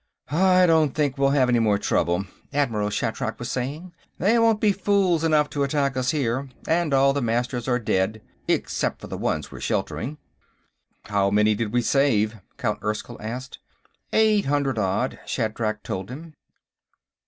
"I don't think we'll have any more trouble," Admiral Shatrak was saying. "They won't be fools enough to attack us here, and all the Masters are dead, except for the ones we're sheltering." "How many did we save?" Count Erskyll asked. Eight hundred odd, Shatrak told him.